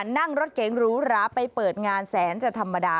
นั่งรถเก๋งหรูหราไปเปิดงานแสนจะธรรมดา